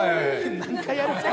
何回やるんすか。